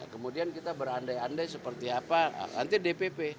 kemudian kita berandai andai seperti apa nanti dpp